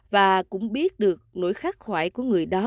và cũng biết được nỗi khắc khoải của người đó